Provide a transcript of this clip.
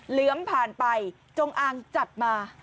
เหลือมผ่านไปจงอางจัดมา